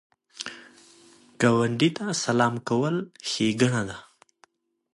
ګاونډي ته سلام کول ښېګڼه ده